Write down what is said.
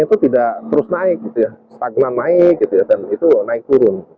itu tidak terus naik stagnan naik dan itu naik turun